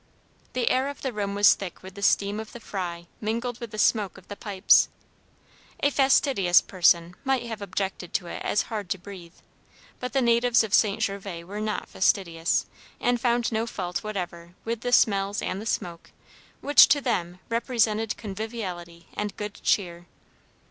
The air of the room was thick with the steam of the fry mingled with the smoke of the pipes. A fastidious person might have objected to it as hard to breathe, but the natives of St. Gervas were not fastidious, and found no fault whatever with the smells and the smoke which, to them, represented conviviality and good cheer.